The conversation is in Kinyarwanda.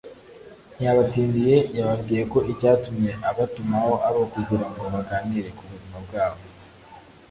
ntiyabatindiye, yababwiye ko icyatumye abatumaho ari ukugira ngo baganire ku buzima bwabo